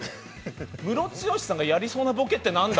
ムロツヨシさんがやりそうなボケって何だ？